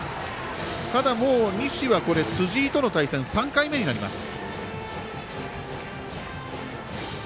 ただ、もう西は辻井との対戦３回目になります。